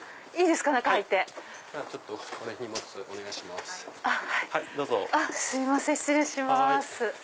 すいません失礼します。